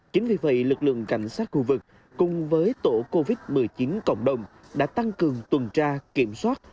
chính vì vậy lực lượng cảnh sát khu vực cùng với tổ covid một mươi chín cộng đồng đã tăng cường tuần tra kiểm soát